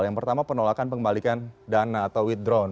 yang pertama penolakan pengembalikan dana atau withdrawn